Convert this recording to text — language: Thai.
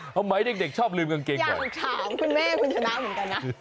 ทำไมเด็กชอบลืมกางเกงอยากถามคุณแม่คุณชนะเหมือนกันนะ